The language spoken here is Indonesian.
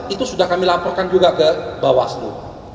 itu sudah kami laporkan juga ke bawaslu